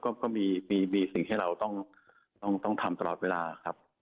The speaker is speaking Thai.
ก็มีสิ่งที่เราต้องทำตลอดเวลาครับ